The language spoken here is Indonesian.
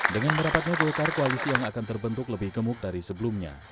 dengan merapatnya golkar koalisi yang akan terbentuk lebih gemuk dari sebelumnya